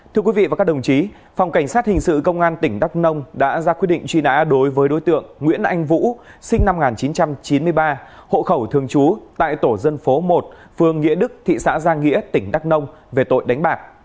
thưa quý vị và các đồng chí phòng cảnh sát hình sự công an tỉnh đắk nông đã ra quyết định truy nã đối với đối tượng nguyễn anh vũ sinh năm một nghìn chín trăm chín mươi ba hộ khẩu thường trú tại tổ dân phố một phường nghĩa đức thị xã giang nghĩa tỉnh đắk nông về tội đánh bạc